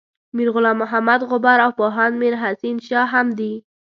میر غلام محمد غبار او پوهاند میر حسین شاه هم دي.